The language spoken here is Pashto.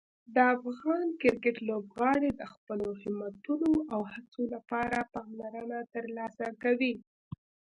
د افغان کرکټ لوبغاړي د خپلو همتونو او هڅو لپاره پاملرنه ترلاسه کوي.